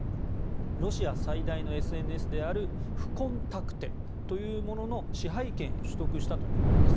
ロシア最大のＳＮＳであるフコンタクテというものの支配権を取得したということです。